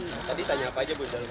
tadi tanya apa aja bu